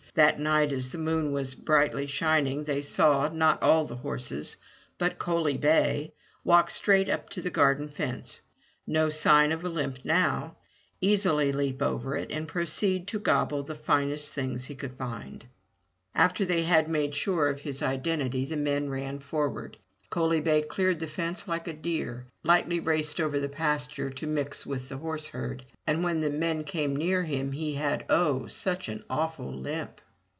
That night as the moon was brightly shining they saw, not all the horses, but Coaly bay, walk straight up to the garden fence — no sign of a limp now — easily leap over it, and proceed to gobble the finest things he could find. After they had made sure of his 220 FROM THE TOWER WINDOW identity, the men ran forward. Coaly bay cleared the fence like a deer, lightly raced over the pasture to mix with the horseherd, and when the men came near him he had — oh, such an awful limp.